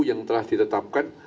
yang telah ditetapkan